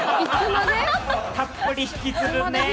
たっぷり引きずるね。